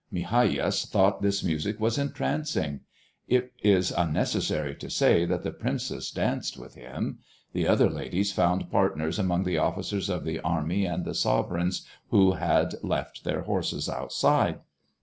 Migajas thought this music was entrancing. It is unnecessary to say that the princess danced with him. The other ladies found partners among the officers of the army and the sovereigns who had left their horses outside.